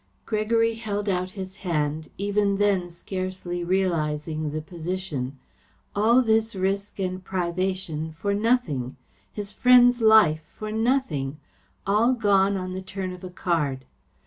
Gregory held out his hand, even then scarcely realising the position. All this risk and privation for nothing, his friend's life for nothing, all gone on the turn of a card.